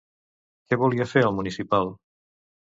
Què volia fer el municipal?